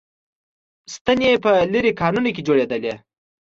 ستنې په لېرې کانونو کې جوړېدلې